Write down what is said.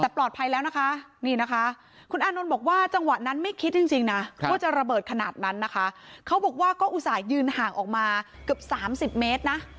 เขาจะระเบิดขนาดนั้นนะคะเขาบอกว่าก็อุตส่ายยืนห่างออกมาเกือบสามสิบเมตรนะ